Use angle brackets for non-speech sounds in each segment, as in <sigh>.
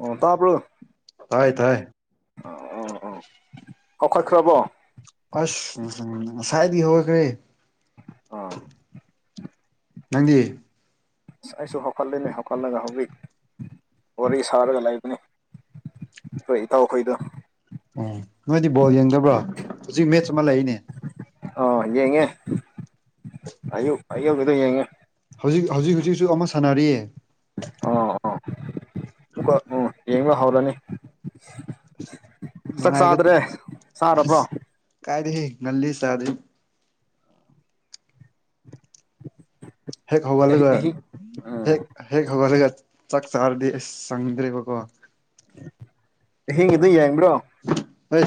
ꯑꯣ ꯇꯥꯏ ꯇꯥꯏ ꯑ ꯑ ꯀꯥꯎ ꯀꯥꯏꯈ꯭ꯔꯑꯕꯣ ꯑꯁ ꯎ ꯎꯝ ꯉꯁꯥꯏꯗꯤ ꯍꯧꯔꯈ꯭ꯔꯦ ꯑꯥ ꯅꯪꯗꯤ ꯑꯁ ꯑꯩꯁꯨ ꯍꯧꯀꯠꯂꯤꯅꯦ ꯍꯧꯀꯠꯂꯒ ꯍꯧꯤ ꯋꯥꯔꯤ ꯁꯥꯔꯒ ꯂꯩꯕꯅꯤ ꯍꯣꯏ ꯏꯇꯥꯎꯈꯣꯏꯗ ꯎꯝ ꯅꯣꯏꯗꯤ ꯕꯣꯜ ꯌꯦꯡꯗꯕ꯭ꯔꯣ ꯍꯧꯖꯤꯛ ꯃꯦꯠꯆ ꯑꯃ ꯂꯩꯔꯤꯅꯦ ꯑ ꯌꯦꯡꯉꯦ ꯑꯌꯨ ꯑꯌꯨꯒꯤꯗ ꯌꯦꯡꯉꯦ ꯍꯧꯖꯤꯛ ꯍꯧꯖꯤꯛ ꯍꯧꯖꯤꯛꯁꯨ ꯑꯃ ꯁꯥꯟꯅꯔꯤꯌꯦ ꯑꯥ ꯑꯥ ꯎꯝ ꯌꯦꯡꯕ ꯍꯧꯔꯅꯤ ꯆꯥꯛ ꯅꯨꯡꯉꯥꯏꯒ ꯆꯥꯗ꯭ꯔꯦ ꯆꯥꯔꯕ꯭ꯔꯣ ꯀꯥꯏꯔꯤ ꯉꯜꯂꯤ ꯁꯥꯔꯦ <inaudible> ꯍꯦꯛ ꯍꯕ ꯑꯍꯤ ꯂꯩꯒ ꯑꯍꯤꯡ ꯎꯝ ꯍꯦꯛ ꯍꯦꯛ ꯍꯕ ꯂꯩ ꯆꯥꯛ ꯆꯥꯔꯗꯤ ꯑꯁ ꯆꯪꯗ꯭ꯔꯦꯕꯀꯣ ꯍꯤꯡꯉꯗ ꯌꯦꯡꯕ꯭ꯔꯣ ꯍꯣꯏ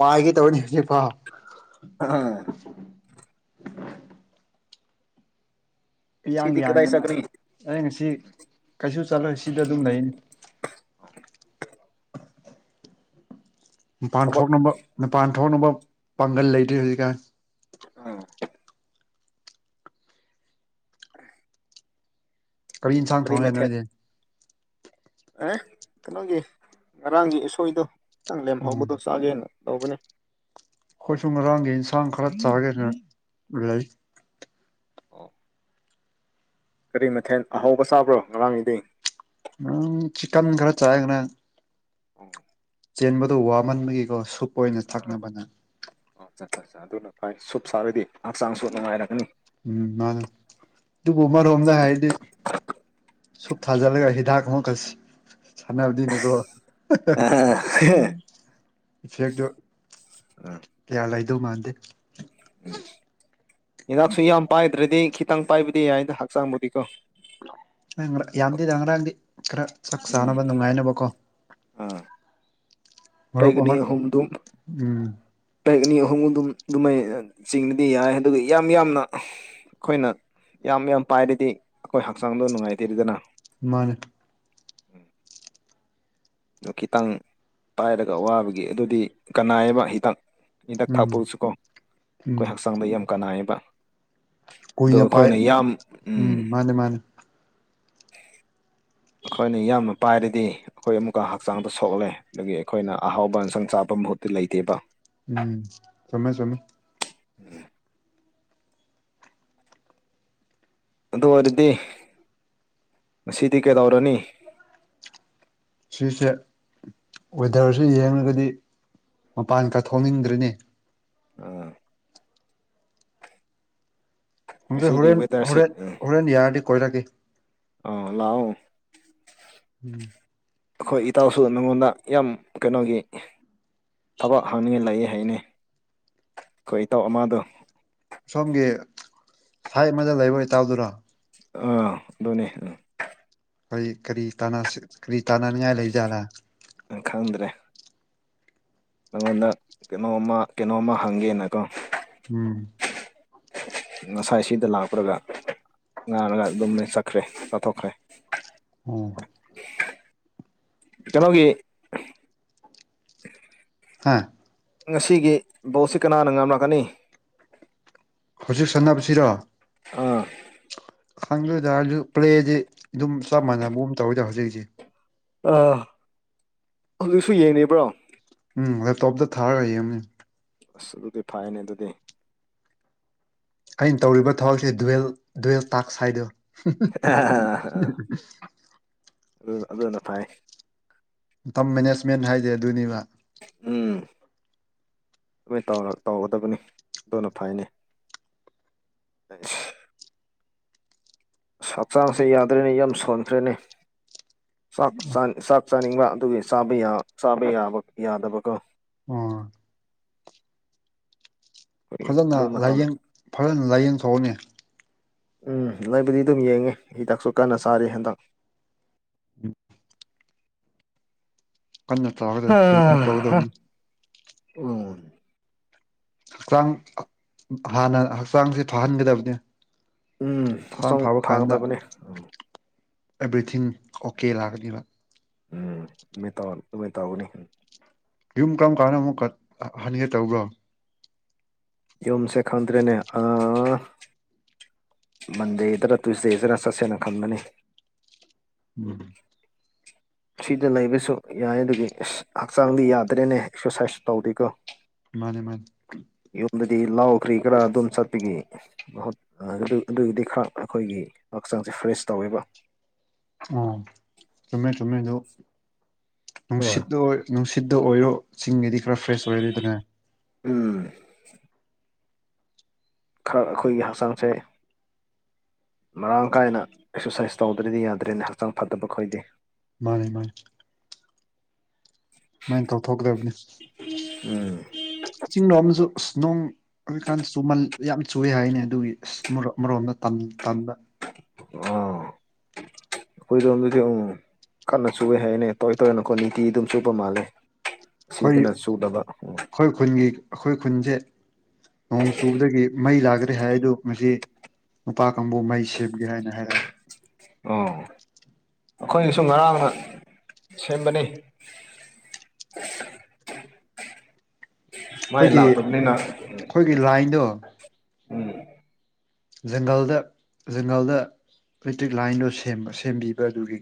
ꯄꯥꯏꯒꯦ ꯇꯧꯕꯅꯤ ꯍꯧꯖꯤꯛꯐꯥꯎ ꯑ ꯏꯌꯥꯡ ꯁꯤꯗꯤꯀ ꯇꯏ ꯌꯥꯡꯗꯅ ꯁꯅꯤ ꯑꯩ ꯉꯁꯤ ꯀꯩꯁꯨ ꯆꯠꯂꯣꯏ ꯁꯤꯗ ꯑꯗꯨꯝ ꯂꯩꯅꯤ ꯃꯄꯥꯟ ꯊꯕꯛ ꯊꯣꯛꯅꯕ ꯃꯄꯥꯟ ꯊꯣꯛꯅꯕ ꯄꯥꯡꯒꯜ ꯂꯩꯇ꯭ꯔꯤ ꯍꯧꯖꯤꯛꯀꯥꯟ ꯑꯥ ꯑ ꯀꯔꯤ ꯌꯦꯟꯁꯥꯡ ꯊꯣꯡꯒꯦ ꯅꯣꯏꯗꯤꯦ ꯑꯦ ꯀꯩꯅꯣꯒꯤ ꯉꯔꯥꯡꯒꯤ ꯑꯁꯣꯏꯗꯣ ꯈꯤꯇꯪ ꯎꯝ ꯂꯦꯝꯍꯧꯕꯗꯣ ꯆꯥꯒꯦꯅ ꯇꯕꯅ ꯑꯩꯣꯏꯁꯨꯨꯝ ꯉꯥꯡꯒꯤ ꯏꯟꯁꯥꯡ ꯈꯔ ꯆꯥꯒꯦꯅ ꯂꯩ ꯑꯣ ꯀꯔꯤ ꯃꯊꯦꯜ ꯑꯍꯧꯕ ꯆꯥꯕ꯭ꯔꯣ ꯉꯔꯥꯡꯒꯤꯗꯤ ꯎꯝ ꯆꯤꯛꯟ ꯈꯔ ꯆꯥꯒꯅ ꯑꯣꯝ. ꯆꯦꯟꯕꯗꯨ ꯋꯥꯃꯟꯕꯒꯤꯀꯣ ꯁꯨꯞ ꯑꯣꯏꯅ ꯊꯛꯅꯕꯅ ꯠ ꯆꯠ ꯑꯗꯨꯅ ꯐꯥꯏ ꯁꯨꯞ ꯁꯥꯔꯣꯏꯗꯤ ꯎꯝ ꯃꯥ ꯏ ꯎꯃꯔꯣꯝꯗ ꯍꯥꯏꯗꯤ ꯁꯨꯨꯞ ꯊꯥꯖꯂꯒ ꯍꯗꯥꯥꯛ ꯀꯁꯤ ꯁꯥꯟꯅꯕꯗꯤꯅꯦꯀꯣ ꯏꯐꯦꯛꯇꯨ ꯎꯝ ꯌꯥꯌꯥ ꯂꯥꯏꯗꯧ ꯃꯥꯟꯗ ꯍꯤꯗꯥꯛꯁꯨ ꯌꯥꯝ ꯄꯥꯏꯗ꯭ꯔꯗꯤ ꯈꯤꯇꯪ ꯄꯥꯏꯕꯗꯤ ꯌꯥꯏꯅ ꯍꯛꯆꯥꯡꯕꯨꯗꯤꯀꯣ ꯌꯥꯝꯗꯦꯗꯪ ꯉ꯭ꯔꯥꯡꯗꯤ ꯈꯔ ꯆꯥꯛ ꯎꯝ ꯆꯥꯅꯕ ꯅꯨꯡꯉꯥꯏꯅꯕꯀꯣ ꯑꯥ ꯃꯔꯨꯞ ꯄꯒꯅꯦ ꯑꯃ ꯍꯨꯝꯗꯨꯨꯝ ꯎꯝ ꯇꯔꯦꯠ ꯑꯅꯤ ꯑꯍꯨꯝ ꯑꯗꯨꯝ ꯑꯗꯨꯃꯥꯏꯅ ꯆꯤꯡꯕꯗꯤ ꯌꯥꯏ ꯑꯗꯨꯒ ꯌꯥꯝ ꯌꯥꯝꯅ ꯑꯩꯈꯣꯏꯅ ꯌꯥꯝ ꯌꯥꯝ ꯄꯥꯏꯔꯗꯤ ꯑꯩꯈꯣꯏ ꯍꯛꯆꯥꯡꯗꯣ ꯅꯨꯡꯉꯥꯏꯇꯦꯔꯤꯗꯅ ꯃꯅꯛ ꯎꯝ ꯑꯗꯨ ꯈꯤꯇꯪ ꯄꯥꯏꯔꯒ ꯑꯋꯥꯕꯒꯤ ꯑꯗꯨꯗꯤ ꯀꯅꯥꯌꯦꯕ ꯍꯤꯗꯥꯛ ꯍꯗꯛ ꯎꯝ ꯊꯥꯛꯄꯁꯨꯀꯣ ꯎꯝ ꯑꯩꯈꯣꯏ ꯍꯛꯆꯥꯡꯗ ꯌꯥꯝ ꯀꯅꯥꯌꯦꯕ ꯑꯗꯣ ꯀꯨꯏꯅ ꯄꯥꯏ ꯑꯩꯈꯣꯏꯅ ꯌꯥꯝ ꯎ. ꯎꯝ ꯃꯥꯅꯦ ꯃꯥꯅꯦ ꯑꯩꯈꯣꯏꯅ ꯌꯥꯝꯌꯥꯝꯅ ꯄꯥꯏꯔꯗꯤ ꯑꯩꯈꯣꯏ ꯑꯃꯨꯛꯀ ꯍꯛꯆꯥꯡꯗꯣ ꯁꯣꯛꯂꯦ ꯑꯗꯒꯤ ꯑꯩꯈꯣꯏꯅ ꯑꯍꯥꯎꯕ ꯏꯟꯁꯪ ꯆꯥꯄ ꯃꯍꯨꯠꯇ ꯂꯩꯇꯦꯕ ꯎꯝ ꯁꯃꯦ ꯁꯃꯦ. ꯎꯝ ꯑꯗꯨ ꯑꯣꯏꯔꯗꯤ ꯉꯁꯤꯗꯤ ꯀꯩꯗꯧ ꯔꯅꯤ ꯁꯤꯁꯦ ꯋꯦꯗꯔꯁꯦ ꯌꯦꯡꯂꯡꯒꯗꯤ ꯃꯄꯥꯟ ꯈ ꯊꯣꯛꯅꯤꯡꯗ꯭ꯔꯅꯦ ꯑ ꯍꯪꯁꯦ ꯍꯣꯔꯦꯟ ꯍꯣꯔꯦꯟ ꯍꯣꯔꯦꯟ ꯌꯔꯗꯤ ꯀꯣꯏꯔꯒꯦ ꯑꯥ ꯂꯥꯛꯑꯣ ꯎꯝ ꯑꯩꯈꯣꯏ ꯏꯇꯥꯎꯁꯨ ꯅꯉꯣꯟꯗ ꯌꯥꯝ ꯀꯩꯅꯣꯒꯤ ꯊꯕꯛ ꯍꯪꯅꯤꯡꯉꯥꯏ ꯂꯩ ꯍꯥꯏꯅꯤ ꯑꯩꯈꯣꯏ ꯏꯇꯧ ꯑꯃꯗꯣ ꯁꯣꯝꯒꯤ ꯁꯥꯏꯠ ꯑꯃꯗ ꯂꯩꯕ ꯏꯇꯥꯎꯗꯨꯔꯣ ꯑꯥ ꯑꯗꯨ ꯑꯗꯨꯣꯅꯦ ꯎ ꯑꯩ ꯀꯔꯤꯇꯥꯅ ꯁꯤ ꯀꯔꯤꯇꯥꯅꯥ ꯍꯥꯏ ꯂꯩꯖꯅ ꯈꯪꯗ꯭ꯔꯦ ꯅꯉꯣꯟꯗ ꯀꯩꯅꯣꯝꯃ ꯀꯩꯅꯣꯝꯃ ꯍꯪꯒꯦꯅꯀꯣ ꯎꯝ ꯉꯁꯥꯏ ꯁꯤꯗ ꯂꯥꯛꯄꯨꯔꯒ ꯉꯥꯔꯒ ꯑꯗꯨꯝ ꯆꯠꯈ꯭ꯔꯦ ꯆꯥꯊꯣꯛꯈ꯭ꯔꯦ ꯎꯝ ꯀꯩꯅꯣꯒꯤ ꯍꯥꯥ ꯉꯁꯤꯒꯤ ꯕꯣꯠꯁꯤ ꯀꯅꯥꯅ ꯉꯝꯂꯛꯀꯅꯤ ꯍꯧꯖꯤꯛ ꯁꯥꯟꯅꯕꯁꯤꯔꯣ ꯑꯥ ꯈꯪꯗꯣꯏꯗꯔ ꯄ꯭ꯂꯦꯗꯤ ꯑꯗꯨꯝ ꯆꯞ ꯃꯥꯟꯅꯕꯝ ꯇꯧꯋꯤꯗ ꯍꯧꯖꯤꯛꯁꯤ ꯑ ꯍꯧꯖꯤꯛꯁꯨ ꯌꯦꯡꯉꯕ꯭ꯔꯣ ꯎꯝ ꯑ ꯇꯣꯞꯇ ꯊꯥꯔꯒꯌꯦ ꯑꯃꯅꯤꯅꯤ ꯑꯁ ꯑꯗꯨꯗꯤ ꯐꯥꯏꯅꯦ ꯑꯗꯨꯗꯤ ꯑꯩꯅ ꯇꯧꯔꯤꯕ ꯊꯕꯛꯁꯦ ꯋꯦꯜ ꯗꯨꯋꯦꯜ ꯇꯥꯛꯁ ꯍꯥꯏꯗꯣ ꯑꯗꯨ ꯑꯗꯨꯅ ꯐꯩ <unintelligible> ꯝ ꯃꯦꯅꯦꯖꯃꯦꯟ ꯍꯥꯏꯗꯦ ꯑꯗꯨꯅꯤꯕ ꯎꯝ ꯑꯗꯨꯃꯥꯏꯅ ꯇꯧꯒꯗꯕꯅꯤ ꯑꯗꯨꯅ ꯐꯩꯅꯦ ꯊ ꯍꯛꯆꯥꯡꯁꯦ ꯌꯥꯗ꯭ꯔꯦꯅꯤ ꯌꯥꯝ ꯁꯣꯟꯈ꯭ꯔꯦꯅꯦ ꯆꯥꯛ ꯆꯥꯛ ꯆꯥꯅꯤꯡꯕ ꯑꯗꯨꯒꯤ ꯆꯥ ꯆꯥꯕ ꯌꯥꯕ ꯌꯥꯗꯕꯀꯣ ꯑ ꯑꯩꯈꯣꯏ ꯐꯖꯅ ꯑꯗꯨ ꯃꯇꯝ ꯂꯥꯏꯌꯦꯡ ꯐꯖꯅ ꯂꯥꯏꯌꯦꯡꯊꯣꯛꯑꯅꯤ ꯎꯝ ꯂꯩꯕꯨꯗꯤ ꯑꯗꯨꯝ ꯌꯦꯡꯉꯦ ꯍꯤꯗꯥꯛꯁꯨ ꯀꯟꯅ ꯆꯥꯔꯤ ꯍꯟꯗꯛ ꯎꯝ ꯀꯟꯅ ꯇꯥꯒꯗꯕꯅꯤ ꯀꯟꯅ ꯇꯧꯒꯗꯕꯅꯤ ꯎ ꯍꯛꯆꯥꯡ ꯍꯥꯟꯅ ꯍꯛꯆꯥꯡꯁ ꯐꯍꯟꯒꯗꯕꯅꯤ ꯎꯝ ꯍꯛꯆꯥꯡ ꯐꯕ ꯀꯥꯟꯗ ꯊꯥꯒꯗꯕꯅꯤ ꯑꯦꯕ꯭ꯔꯤꯊꯤꯡ ꯑꯣꯀꯦ ꯂꯥꯛꯀꯅꯦꯕ ꯎꯝꯇ ꯑꯗꯨ ꯇꯧꯅꯤ ꯌꯨꯝ ꯀꯔꯝ ꯀꯥꯟꯅ ꯑꯃꯨꯛ ꯀ ꯍꯟꯒꯦ ꯇꯧꯕꯣ ꯌꯨꯝꯁꯦ ꯈꯥꯟꯗ꯭ꯔꯦꯅꯦ ꯑ ꯃꯟꯗ ꯏꯗꯔ ꯇꯨꯁꯗ ꯏꯗꯔ ꯁꯁꯦꯅ ꯈꯟꯗꯅꯤ ꯎꯝ ꯁꯤꯗ ꯂꯩꯕꯁꯨ ꯌꯥꯏ ꯑꯗꯨꯒꯤ ꯍꯛꯆꯥꯡꯗꯤ ꯌꯥꯗ꯭ꯔꯦꯅꯦ ꯑꯦꯛꯁꯔꯁꯥꯏꯁ ꯇꯧꯗꯦꯀꯣ ꯃꯥꯅꯦ ꯃꯥꯅꯦ ꯑꯗꯨꯗꯤ ꯂꯥꯎ ꯀ꯭ꯔꯤ ꯈꯔ ꯑꯗꯨꯝ ꯆꯠꯄꯒꯤ ꯑꯗꯨ ꯑꯗꯨꯒꯤꯗꯤ ꯈꯔ ꯑꯩꯈꯣꯏꯒꯤ ꯍꯆ ꯍꯛꯆꯥꯡꯁꯦ ꯐ꯭ꯔꯦꯁ ꯇꯧꯦꯕ ꯑꯣ ꯆꯨꯝꯃꯦ ꯆꯨꯝꯃꯦꯗ ꯍꯣꯏ ꯅꯨꯡꯁꯤꯠ ꯅꯨꯡꯁꯤꯠ ꯁꯤꯗ ꯑꯣꯏꯔꯣ ꯆꯁꯤꯡꯒꯤꯉꯗꯤ ꯈꯔ ꯐ꯭ꯔꯦꯁ ꯑꯣꯏꯔꯗꯤꯗꯅ ꯎꯝ ꯈꯔ ꯑꯩꯈꯣꯏꯒꯤ ꯍꯛꯆꯥꯡꯁꯦ ꯃꯔꯥꯡ ꯀꯥꯏꯅ ꯑꯦꯛꯁꯔꯁꯥꯏꯁ ꯇꯧꯗ꯭ꯔꯗꯤ ꯌꯥꯗ꯭ꯔꯦꯅꯦ ꯍꯛꯆꯥꯡ ꯐꯠꯇꯕ ꯈꯣꯏꯗꯦ ꯃꯥꯅꯦ ꯃꯥꯅꯦ ꯁꯨꯃꯥꯏꯅ ꯇꯧꯊꯣꯛꯀꯗꯕꯅꯤ ꯎꯝ ꯆꯤꯡꯗꯣ ꯑꯃꯁꯨ ꯑꯁ ꯅꯣꯡ ꯑꯣꯏꯖꯤꯀꯥꯟ ꯆꯃ ꯌꯥꯝ ꯆꯨꯏ ꯍꯥꯏꯅꯤ ꯑꯗꯨꯒꯤ ꯃꯔꯣꯝꯗ ꯇꯝ ꯇꯝꯗ ꯑꯥ ꯑꯩꯈꯣꯏꯗꯣꯝꯗꯗꯤ ꯑꯃꯨ ꯀꯟꯅ ꯆꯨꯞꯋꯦ ꯍꯥꯏꯅꯦ ꯇꯧꯔꯏ ꯇꯔꯏꯅ ꯑꯩꯀꯣ ꯅꯤꯇꯤ ꯑꯗꯨꯝ ꯆꯨꯞꯄ ꯃꯥꯜꯂꯦ ꯑꯩꯈꯣꯏ ꯁꯤꯗꯅ ꯆꯨꯗꯕ ꯎꯝ ꯑꯩꯈꯣꯏ ꯈꯨꯟꯒꯤ ꯑꯩꯈꯣꯏ ꯈꯨꯟꯁꯦ ꯅꯣꯡꯣꯡ ꯆꯨꯕꯗꯒꯤ ꯃꯩ ꯂꯥꯛꯈ꯭ꯔꯦ ꯍꯥꯏꯗꯨ ꯃꯁꯤ ꯅꯨꯄꯥ ꯀꯥꯡꯕꯨ ꯃꯩ ꯁꯦꯝꯒꯦ ꯍꯥꯏꯅ ꯍꯥꯏꯔꯛꯑꯦ ꯑꯩꯈꯣꯏꯅꯁꯨ ꯉꯔꯥꯡꯅ ꯁꯦꯝꯕꯅꯤ <unintelligible> ꯃꯥꯏ ꯑꯩꯈꯣꯏꯒꯤ ꯂꯥꯛꯄꯅꯤꯅ ꯑꯩꯈꯣꯏꯒꯤ ꯂꯥꯏꯟꯗꯣ ꯎꯝ ꯖꯪꯒꯜꯗ ꯖꯪꯒꯜꯗ ꯑꯦꯂꯦꯛꯇ꯭ꯔꯤꯛ ꯂꯥꯏꯟꯗꯣ ꯁꯦꯝꯕ ꯁꯦꯝꯕꯤꯕ ꯑꯗꯨꯒꯤ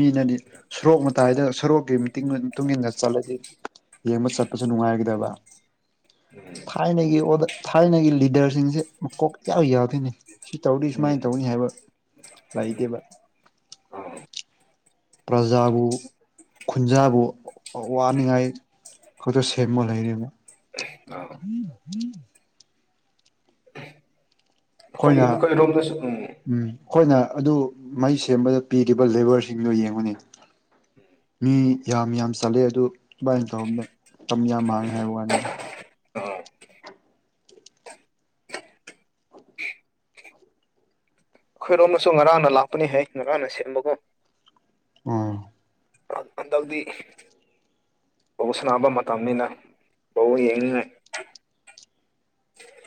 ꯃꯤꯅꯗꯤ ꯁꯣꯔꯣꯛ ꯃꯇꯥꯏꯗ ꯁꯣꯔꯣꯛꯀꯤ ꯃꯤꯇꯤꯡꯗꯨ ꯃꯇꯨꯡ ꯏꯟꯅ ꯆꯠꯂꯗꯤ ꯌꯦꯡꯕ ꯆꯠꯄꯁꯨ ꯅꯨꯡꯉꯥꯏꯈꯤꯗꯕ ꯊꯥꯏꯅꯒꯤ ꯊꯥꯏꯅꯒꯤ ꯂꯤꯗꯔꯁꯤꯡꯁꯦ ꯃꯀꯣꯛ ꯌꯥꯎ ꯌꯥꯗꯣꯏꯅꯤ ꯁꯤ ꯇꯧꯔꯤ ꯎꯝ ꯁꯨꯃꯥꯏꯅ ꯇꯧꯅꯤ ꯍꯥꯏꯕ ꯂꯩꯇꯦꯕ ꯑꯥ ꯄ꯭ꯔꯖꯥꯕꯨ ꯈꯨꯟꯖꯥꯕꯨ ꯋꯥꯅꯤꯡꯉꯥꯏ ꯀꯗ ꯁꯦꯕꯃ ꯂꯩꯔꯦꯅ ꯑꯥ ꯑꯩꯈꯣꯏ ꯑꯩꯈꯣꯏꯅ ꯑꯩꯈꯣꯏꯔꯣꯝꯗꯁꯨ ꯎꯝ ꯑꯩꯈꯣꯏꯅ ꯑꯗꯨ ꯃꯩ ꯁꯦꯝꯕꯗ ꯄꯤꯔꯤꯕ ꯂꯦꯕꯔꯁꯤꯡꯗꯨꯣ ꯌꯦꯡꯕꯨꯅꯤ ꯃꯤ ꯌꯥꯝ ꯌꯥꯝ ꯆꯠꯂꯦ ꯑꯗꯨ ꯁꯃꯥꯏꯅ ꯇꯧꯔꯝꯅ ꯀꯃꯌꯥ ꯃꯥꯡꯒ ꯍꯥꯏ ꯋꯥꯅꯤ ꯑꯩꯈꯣꯏꯔꯣꯝꯅꯁꯨ ꯉꯔꯥꯡꯅ ꯂꯥꯛꯄꯅꯤ ꯍꯥꯏ ꯉꯔꯥꯡꯅ ꯁꯦꯝꯕꯒꯨꯝ ꯑꯝ ꯑꯗ ꯍꯧꯗꯤ ꯕꯥꯜ ꯁꯥꯟꯅꯕ ꯃꯇꯝꯅꯤꯅ ꯚꯧ ꯌꯦꯡꯅꯤꯡꯉꯥꯏ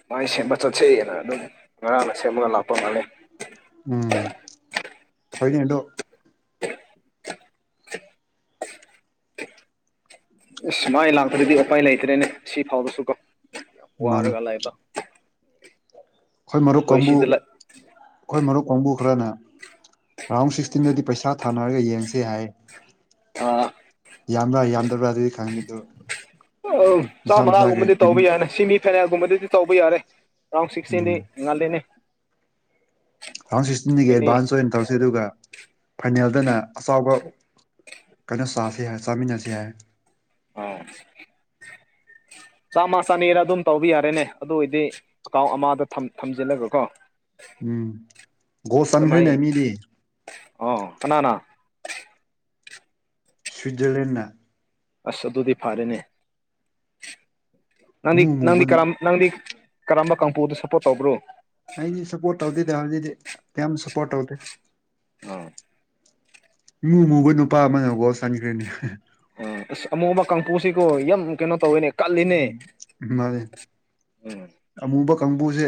ꯃꯥꯏ ꯁꯦꯝꯕ ꯆꯠꯆꯩꯑꯅ ꯑꯗꯨꯝ ꯉꯔꯥꯡꯅ ꯁꯦꯝꯃꯒ ꯂꯥꯛꯄ ꯃꯥꯂ ꯎꯝ ꯐꯥꯏꯅꯦꯗꯣ ꯑꯁ ꯁꯨ ꯃꯥꯏꯅ ꯂꯥꯛꯄ꯭ꯔꯗꯤ ꯎꯄꯥꯏ ꯂꯩꯇ꯭ꯔꯦꯅꯦ ꯁꯤ ꯐꯥꯎꯕꯁꯨ ꯀꯣ ꯃꯥꯅꯦ ꯋꯥꯔꯒꯂꯏꯕ ꯑꯩꯈꯣꯏ ꯃꯔꯨꯞ ꯀꯥꯡꯕꯨ ꯂꯩ ꯑꯩꯈꯣꯏ ꯃꯔꯨꯞ ꯀꯥꯡꯕꯨ ꯈꯔꯅ ꯔꯥꯎꯟ ꯁꯤꯛꯁꯇꯤꯟꯗꯗꯤ ꯄꯩꯁꯥ ꯊꯥꯅꯔꯒ ꯌꯦꯟꯁꯦ ꯍꯥꯏ ꯊꯥ ꯌꯥꯝꯕ꯭ꯔꯥ ꯌꯥꯝꯗꯕ꯭ꯔꯥ ꯑꯗꯨꯗꯤ ꯈꯪꯉꯦꯗ ꯑ ꯆꯥꯃꯉꯥꯒꯨꯝꯕꯗꯤ ꯇꯧꯕ ꯌꯥꯅꯤ ꯁꯤꯃꯤ ꯐꯥꯏꯅꯥꯏꯜꯒꯨꯝꯕꯗꯤ ꯇꯧꯕ ꯌꯥꯔꯦ ꯔꯥꯎ ꯁꯤꯛꯁꯗꯤ ꯎꯝ ꯉꯗꯅꯦ ꯇꯨ ꯊꯥꯎꯖꯟ ꯁꯤꯛꯁꯇꯤꯟꯗꯒꯤ ꯀꯩꯅꯤ ꯑꯦꯗꯚꯥꯟꯁ ꯑꯣꯏꯅ ꯇꯧꯁꯤ ꯑꯗꯨꯒ ꯐꯥꯏꯅꯦꯜꯗꯅ ꯑꯆꯕ ꯀꯩꯅꯣ ꯁꯥꯁꯤ ꯍꯥꯏ ꯁꯥꯃꯅꯁꯤ ꯍꯥꯏꯌꯦ ꯑꯝ ꯆꯥꯝꯃ ꯆꯥꯅꯤꯔ ꯑꯗꯨꯝ ꯇꯧꯕ ꯌꯥꯔꯦꯅꯦ ꯑꯗꯨ ꯑꯣꯏꯗꯤ ꯑꯦꯀꯥꯎꯟ ꯑꯃꯗ ꯊꯝꯖꯤꯜꯂꯒ ꯀꯣ ꯎꯝ ꯒꯣꯜ ꯃꯥꯏ ꯆꯟꯈ꯭ꯔꯦꯅꯦ ꯃꯤꯗꯤ ꯑ ꯀꯅꯥꯅꯥ ꯁꯨꯏꯠꯖꯔꯂꯦꯟꯅ ꯑꯁ ꯑꯗꯨꯗꯤ ꯐꯔꯦꯅꯦ ꯅꯪꯗꯤ ꯏꯃꯨ ꯅꯪꯗꯤ ꯃꯨꯕꯅ ꯀꯔꯝ ꯅꯪꯗꯤ ꯀꯔꯝꯕ ꯀꯥꯡꯝꯄꯨꯗ ꯁꯞꯄꯣꯔꯠ ꯇꯧꯕ꯭ꯔꯣ ꯌꯥꯝ ꯁꯄꯣꯠꯧꯗ ꯑꯣ ꯏꯨ ꯑꯃꯨꯕ ꯅꯨꯄꯥ ꯑꯃꯅꯒꯥꯎ ꯆꯟꯈ꯭ꯔꯦꯅꯦ ꯎꯝ ꯑꯃꯨ ꯑꯃ ꯀꯥꯡꯄꯨꯁꯤꯀꯣ ꯌꯥꯝ ꯀꯩꯅꯣ ꯇꯧꯋꯦꯅꯦ ꯀꯜꯂꯤꯅꯦ ꯃꯥꯅꯦ ꯎꯝ ꯑꯃꯨꯕꯥ ꯀꯥꯡꯕꯨꯁꯦ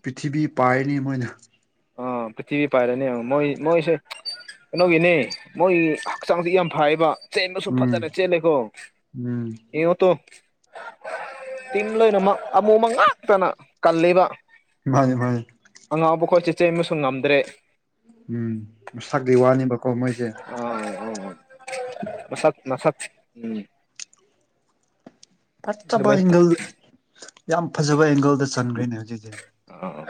ꯄ꯭ꯔꯤꯊꯤꯕꯤ ꯄꯥꯏꯔꯅꯤ ꯃꯣꯏꯅ ꯑꯝ ꯄ꯭ꯔꯤꯊꯤꯕꯤ ꯄꯥꯏꯔꯅꯤ ꯃꯣꯏ ꯃꯣꯏꯁꯦ ꯀꯩꯅꯣꯒꯤꯅꯦ ꯃꯣꯏ ꯍꯛꯆꯥꯡꯁ ꯌꯥꯝ ꯐꯌꯦꯕ ꯆ ꯆꯩꯅꯁꯨ ꯎꯝ ꯐꯠꯇꯔ ꯆ ꯆꯩ ꯂꯦꯀꯣ ꯎꯝ ꯏꯉ ꯇ ꯇꯔꯝ ꯂꯣꯏꯅꯃꯛ ꯑꯃꯨꯃ ꯉꯥꯛꯇꯅ ꯀꯜꯂꯤꯕ ꯐꯅꯤꯦ ꯐꯅꯤ ꯆ ꯆꯩꯃꯁꯨ ꯉꯝꯗ꯭ꯔꯦ ꯎꯝꯁꯥꯛꯤ ꯋꯥꯅꯦꯕꯀꯣ ꯃꯣꯏꯁꯦ ꯑꯥ ꯑꯥ ꯃꯁꯛ ꯃꯁꯛ ꯎꯝ ꯐꯖꯕ ꯑꯗꯨꯃꯥꯏ ꯇꯧ ꯑꯦꯡꯒꯜ ꯌꯥꯝ ꯐꯖꯕ ꯑꯦꯡꯒꯜꯗ ꯆꯟꯈ꯭ꯔꯦꯅꯦ ꯍꯧꯖꯤꯛ ꯍꯧꯖꯤꯛ ꯑꯥ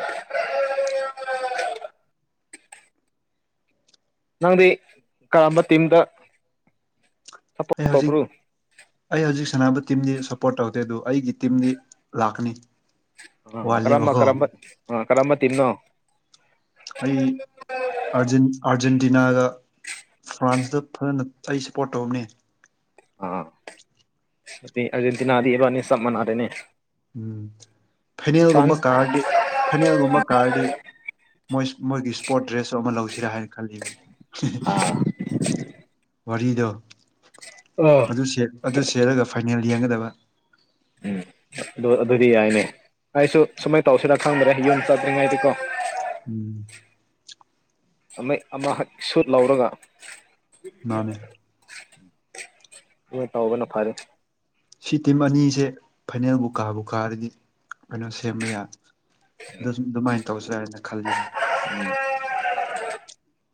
ꯅꯪꯗꯤ ꯀꯔꯝꯕ ꯇꯤꯝꯗ ꯁꯞꯄꯣꯔꯠ ꯑꯩ ꯍꯧꯖꯤꯛ ꯇꯧꯕ꯭ꯔꯣ ꯑꯩ ꯍꯧꯖꯤꯛ ꯁꯥꯟꯅꯕ ꯇꯤꯝꯗꯤ ꯁꯞꯄꯣꯔꯠ ꯇꯧꯗꯦ ꯑꯗꯨꯣ ꯑꯩꯒꯤ ꯇꯤꯝꯗꯤ ꯂꯥꯛꯀꯅꯤ ꯑ ꯀꯔꯝꯕ ꯋꯥꯠꯂꯦꯕꯀꯣ ꯀꯔꯝꯕ ꯑ ꯀꯔꯝꯕ ꯇꯤꯟꯅꯣ ꯑꯩ ꯑꯥꯔꯖꯦꯟꯇꯤꯅꯥꯒ ꯐ꯭ꯔꯥꯟꯁꯇ ꯐꯖꯅ ꯑꯩ ꯁꯞꯄꯣꯔꯠ ꯇꯧꯝꯅꯦ ꯑ ꯑ ꯑꯔꯖꯦꯟꯇꯤꯅꯥꯗꯤ ꯏꯕꯥꯅꯤ ꯁꯕ ꯃꯅꯥꯔꯦꯅꯦ ꯎꯝ ꯐꯅꯦꯜꯒꯨꯝꯕ ꯀꯥꯔꯗꯤ ꯐꯅꯦꯜꯒꯨꯝꯕ ꯀꯥꯔꯗꯤ ꯣꯏ ꯃꯣꯏꯒꯤ ꯏꯁꯄꯣꯔꯠ ꯗ꯭ꯔꯦꯁꯁꯨ ꯑꯃ ꯂꯧꯁꯤꯔꯥ ꯍꯥꯏꯅ ꯈꯜꯂꯤ ꯎ ꯋꯥꯔꯤꯗꯣ ꯑ ꯑꯗꯨ ꯑꯗꯨ ꯁꯦꯠꯂꯒ ꯐꯥꯏꯅꯦꯜ ꯌꯦꯡꯒꯗꯕ <inaudible> ꯑꯗꯨ ꯑꯗꯨꯗꯤ ꯌꯥꯏꯅꯦ ꯑꯩꯁꯨ ꯁꯨꯃꯥꯏ ꯇꯧꯁꯤꯔ ꯈꯪꯗ꯭ꯔꯦ ꯌꯨꯝ ꯆꯠꯇ꯭ꯔꯤꯉꯩꯗꯤꯀꯣ ꯎꯝ ꯑꯃ ꯍꯛ ꯁꯨꯠ ꯂꯧꯥꯎꯔꯒ ꯃꯥꯅꯦ ꯍꯣꯏ ꯇꯥꯎꯕꯅ ꯐꯔꯦ ꯁꯤ ꯇꯤꯝ ꯑꯅꯤꯁꯦ ꯐꯥꯏꯅꯦꯜꯕꯨ ꯀꯥꯕꯨ ꯀꯥꯔꯗꯤ ꯀꯩꯅꯣ ꯁꯦꯝꯕ ꯌꯥ ꯑꯗꯨꯃꯥꯏꯅ ꯇꯧꯁꯨ ꯌꯥ ꯍꯥꯏꯏꯅ ꯈꯜꯂꯤꯅꯤ <inaudible>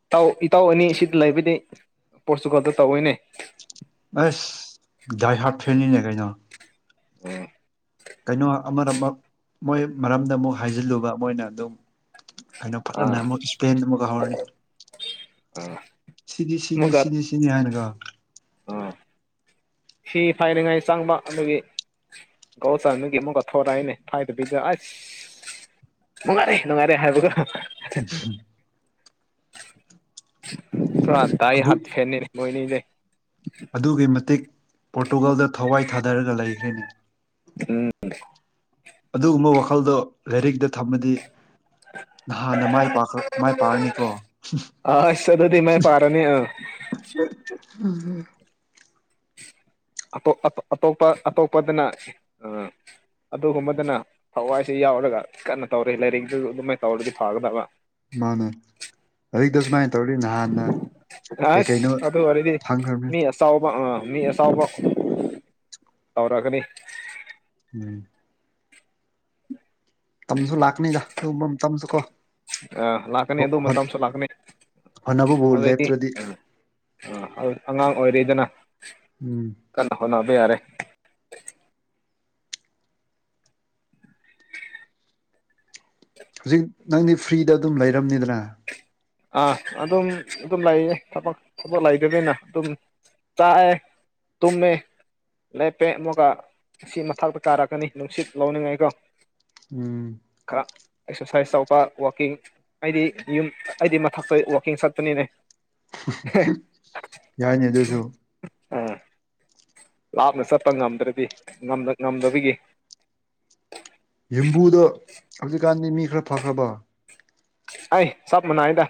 ꯏꯇꯥꯎ ꯏꯇꯥꯎ ꯑꯅꯤ ꯑꯁꯤꯗ ꯂꯩꯕꯗꯤ ꯄꯣꯔꯇꯨꯒꯥꯜꯗ ꯇꯧꯑꯣꯏꯅꯦ ꯑꯦ ꯗꯥꯏ ꯍꯥꯞ ꯐꯦꯟꯅꯤ ꯂꯩ ꯀꯅ ꯑꯣꯝ ꯀꯩꯅꯣ ꯑꯃꯔꯃꯛ ꯃꯣꯏ ꯃꯔꯝꯗ ꯑꯃꯨꯛ ꯍꯥꯏꯖꯤꯜꯂꯨꯕ ꯃꯣꯏꯅ ꯑꯗꯨꯝ ꯑꯩꯅ ꯄꯅꯦ ꯑꯥ ꯑꯃꯨꯛ ꯏꯁꯄ ꯑꯃꯛꯍꯔꯅꯤ ꯑꯥ ꯁꯤꯅꯤ ꯁꯤꯅꯤ ꯑꯃꯨꯛꯀ ꯁꯤꯅꯤ ꯁꯤꯅꯤ ꯍꯥꯏꯅꯒ ꯐꯤ ꯐꯥꯏꯅꯤꯡꯉꯥꯏ ꯆꯪꯕ ꯑꯗꯨꯒꯤ ꯧ ꯆ ꯅꯒꯤ ꯃꯒ ꯊꯧꯣꯔ ꯍꯥꯏꯅꯦ ꯐꯥꯏꯗꯦ ꯄꯤꯖ ꯑꯁ ꯅꯨꯡꯉꯥꯏꯔꯦ ꯅꯨꯡꯉꯥꯏꯔꯦ ꯍꯥꯏꯕꯀꯣ ꯎ ꯆ ꯇꯥꯏ ꯑꯗꯨ ꯍꯥꯠ ꯐꯦꯟꯅꯤ ꯃꯣꯏꯅꯤꯗꯦ ꯑꯗꯨꯒꯤ ꯃꯇꯤꯛ ꯄꯣꯔꯇꯨꯒꯜꯗ ꯊꯋꯥꯏ ꯊꯥꯗꯔꯒ ꯂꯩꯈ꯭ꯔꯦꯅꯤ ꯎꯝ ꯑꯗꯨꯒꯨꯝꯕ ꯋꯥꯈꯜꯗꯣ ꯂꯥꯏꯔꯤꯛꯇꯛꯇ ꯊꯝꯃꯗꯤ ꯅꯍꯥꯟꯗ ꯃꯥꯏ ꯄ ꯃꯥꯏ ꯄꯥꯛꯑꯅꯤꯀꯣ ꯁꯗꯗꯤꯃ ꯄꯥꯔꯅꯦ ꯑ ꯑ ꯑꯇꯣꯞꯄ ꯑꯇꯣꯞꯄꯗꯅ ꯑꯗꯨꯒꯨꯝꯕꯗꯅ ꯍꯋꯥꯏꯁꯤ ꯌꯥꯎꯔꯒ ꯀꯟꯅ ꯇꯧꯔ ꯂꯥꯏꯔꯤꯗꯨ ꯑꯗꯨꯃꯥꯏꯅ ꯇꯧꯔꯗꯤ ꯐꯒꯗꯕ ꯃꯥꯅꯦ ꯑꯛ ꯗꯁ ꯃꯥꯏ ꯑꯁ ꯑꯗꯨꯗ ꯋꯥꯔꯤꯔꯗꯤ ꯐꯪꯈ꯭ꯔꯕꯅꯤ ꯃꯤ ꯁꯥꯥꯎꯕ ꯑ ꯃꯤ ꯑꯁꯥꯎꯕ ꯇꯧꯔꯛꯒꯅꯤ ꯎꯝ ꯇꯝꯁꯨ ꯂꯥꯛꯀꯅꯤꯗ ꯇꯁꯨ ꯀꯣ ꯑ ꯂꯥꯛꯀꯅꯤ ꯑꯗꯨ ꯃꯇꯝꯁꯨ ꯂꯥꯛꯀꯅꯤ ꯍꯣꯠꯅꯕꯕꯨ ꯂꯦꯞꯇ꯭ꯔꯗꯤ ꯥꯡ ꯑꯣꯏꯔꯦꯗꯅ ꯎꯝ ꯀꯟꯅ ꯍꯣꯠꯕ ꯌꯥꯔꯦ ꯍꯧꯖꯤꯛ ꯅꯪꯗꯤ ꯐ꯭ꯔꯤꯗ ꯑꯗꯨꯝ ꯂꯩꯔꯝꯅꯤꯗ꯭ꯔꯥ ꯑꯥ ꯑꯗꯨꯝ ꯑꯗꯨꯝ ꯂꯩꯌꯦ ꯊꯕ ꯊꯕꯛ ꯂꯩꯗꯅꯤꯅ ꯑꯗꯨꯝ ꯆꯑ ꯇꯨꯃꯦ ꯂꯦꯞꯄꯦ ꯑꯃꯨꯛꯀ ꯑꯁꯤ ꯃꯊꯛꯇ ꯀꯥꯔꯛꯀꯅꯤ ꯅꯨꯡꯁꯤꯠ ꯂꯧꯅꯤꯡꯉꯥꯏꯀꯣ ꯎꯝ ꯈꯔ ꯑꯦꯛꯁꯔꯁꯥꯏꯁ ꯇꯧꯕ ꯋꯥꯋꯥꯛꯀꯤꯡ ꯑꯩꯗꯤ ꯌꯨꯝ ꯑꯩꯗꯤ ꯃꯊꯛꯇ ꯋꯥꯛꯀꯤꯡ ꯆꯠꯄꯅꯤꯅꯦ ꯌꯥꯏꯅꯦꯗꯁꯨ ꯑꯥ ꯂꯥꯞꯅ ꯆꯠꯄ ꯉꯝꯗ꯭ꯔꯗꯤ ꯉꯝꯗꯕꯒꯤ ꯝꯕꯨꯗ ꯍꯧꯖꯤꯛꯀꯥꯟꯗꯤ ꯃꯤ ꯈꯔ ꯐꯈ꯭ꯔꯕ ꯑꯩꯥꯏ ꯆꯞ ꯃꯅꯥ ꯍꯥꯏꯗ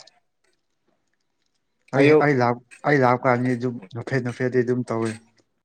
ꯑꯩ ꯑꯩ ꯂ ꯑꯩ ꯂꯥꯄꯀꯥꯟꯗ ꯑꯗꯨꯝ ꯅꯐꯦꯠ ꯅꯐꯦꯠꯗꯤ ꯑꯗꯨꯝ ꯇꯧꯏ